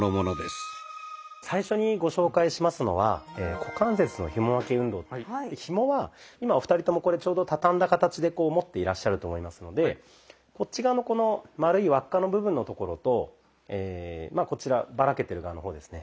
最初にご紹介しますのはひもは今お二人ともこれちょうど畳んだ形でこう持っていらっしゃると思いますのでこっち側のこの丸い輪っかの部分のところとこちらバラけてる側の方ですね